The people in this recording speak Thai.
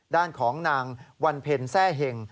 ด้านของนางวันเพ็ญแทร่เห็ง